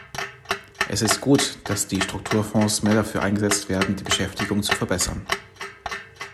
Es ist gut, dass die Strukturfonds mehr dafür eingesetzt werden, die Beschäftigung zu verbessern.